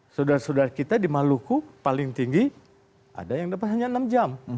saudara saudara kita di maluku paling tinggi ada yang dapat hanya enam jam